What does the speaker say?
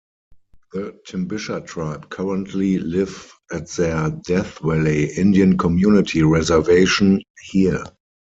The Timbisha tribe currently live at their Death Valley Indian Community reservation here.